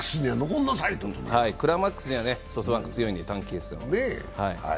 クライマックスはね、ソフトバンク強いので短期決戦、はい。